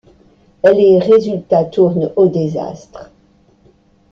Les résultats tournent au désastre.